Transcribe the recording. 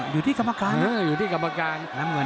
อยู่ที่กรรมการ